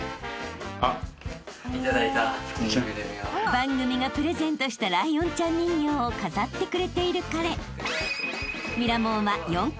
［番組がプレゼントしたライオンちゃん人形を飾ってくれている彼］